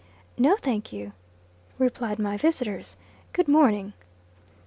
"No, thank you," replied my visitors. "Good morning!"